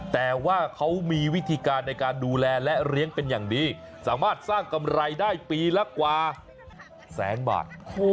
แต่ว่าเขามีวิธีการในการดูแลและเลี้ยงเป็นอย่างดีสามารถสร้างกำไรได้ปีละกว่าแสนบาท